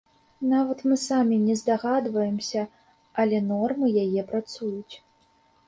Нават мы самі не здагадваемся, але нормы яе працуюць.